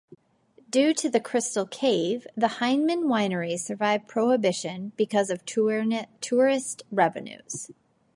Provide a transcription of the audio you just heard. Due to the Crystal Cave, the Heineman winery survived prohibition because of tourist revenues.